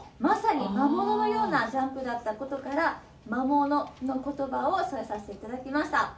まさに魔物のようなジャンプだったことから、魔物のことばを添えさせていただきました。